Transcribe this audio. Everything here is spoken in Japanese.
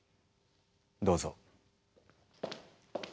どうぞ。